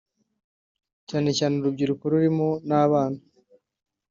cyane cyane urubyiruko rurimo n’abana